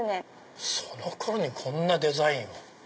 その頃にこんなデザインを。